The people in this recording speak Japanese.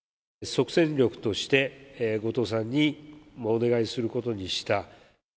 即戦力として後藤さんにお願いすることにした。